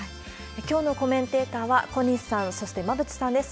きょうのコメンテーターは、小西さん、そして馬渕さんです。